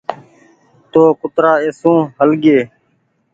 تو ڪترآ اي سون هل گيئي